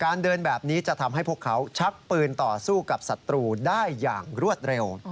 เดินแบบนี้จะทำให้พวกเขาชักปืนต่อสู้กับศัตรูได้อย่างรวดเร็ว